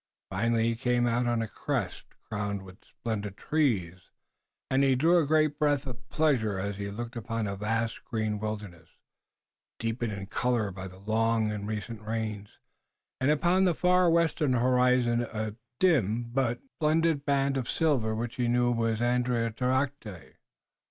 Finally he came out on a crest, crowned with splendid trees, and he drew a great breath of pleasure as he looked upon a vast green wilderness, deepened in color by the long and recent rains, and upon the far western horizon a dim but splendid band of silver which he knew was Andiatarocte.